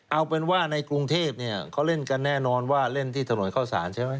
เอาเป็นว่าในกรุงเทพเนี่ยเขาเล่นกันแน่นอนว่าเล่นที่ถนนเข้าสารใช่ไหม